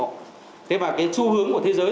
thế và cái xu hướng của thế giới